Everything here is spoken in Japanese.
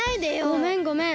ごめんごめん。